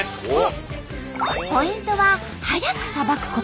ポイントは早くさばくこと。